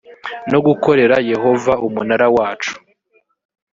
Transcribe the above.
no gukorera yehova umunara wacu